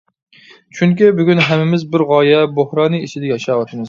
چۈنكى بۈگۈن ھەممىمىز بىر غايە بوھرانى ئىچىدە ياشاۋاتىمىز.